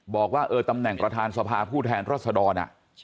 บอกว่าตำแหน่งประธานสภาผู้แทนรัศดร